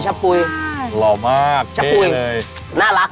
เหลาะมากเท่เลย